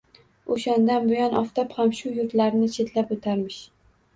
O‘shandan buyon oftob ham shu yurtlarni chetlab o‘tarmish.